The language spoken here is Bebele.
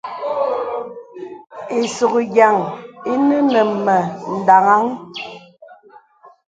Ìsùk yàŋ ìnə mə daŋaŋ.